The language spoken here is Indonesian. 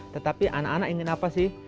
tetapi anak anak ingin apa sih